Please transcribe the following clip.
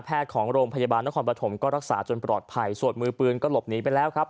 ของโรงพยาบาลนครปฐมก็รักษาจนปลอดภัยส่วนมือปืนก็หลบหนีไปแล้วครับ